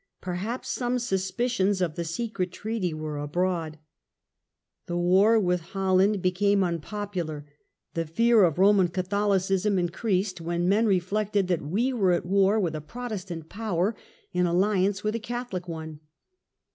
Perhaps some suspicions of the A disunited Secret treaty were abroad. The war with opposition. Holland became unpopular; the fear of Roman Catholicism increased when men reflected that we were at war with a Protestant power in alliance with a Catholic one.